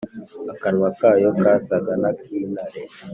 akanwa kayo kasaga n’ak’intare.